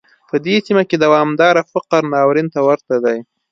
په دې سیمه کې دوامداره فقر ناورین ته ورته دی.